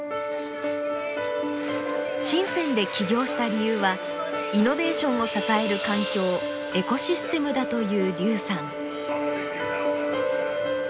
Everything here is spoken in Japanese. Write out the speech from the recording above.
深で起業した理由はイノベーションを支える環境エコシステムだという劉さん。